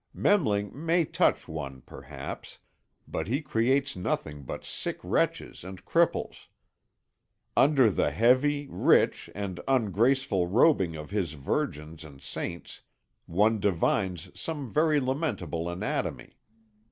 Memling may touch one perhaps; but he creates nothing but sick wretches and cripples; under the heavy, rich, and ungraceful robing of his virgins and saints one divines some very lamentable anatomy.